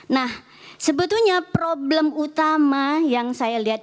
nah sebetulnya problem utama yang saya lihat